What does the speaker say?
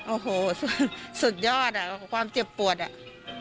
โอ้โหสุดยอดอ่ะความเจ็บปวดอ่ะ